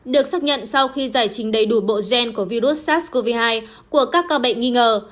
được xác nhận sau khi giải trình đầy đủ bộ gen của virus sars cov hai của các ca bệnh nghi ngờ